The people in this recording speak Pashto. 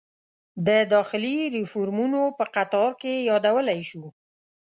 د داخلي ریفورومونو په قطار کې یادولی شو.